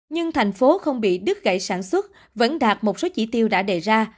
nhưng thành phố không bị đứt gãy sản xuất vẫn đạt một số chỉ tiêu đã đề ra